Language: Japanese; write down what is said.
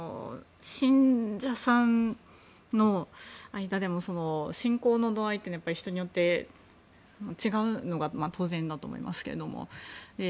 信者さんの間でも信仰の度合いは人によって違うのが当然だと思いますけれども。